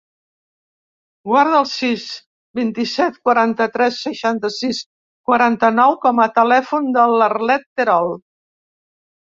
Guarda el sis, vint-i-set, quaranta-tres, seixanta-sis, quaranta-nou com a telèfon de l'Arlet Terol.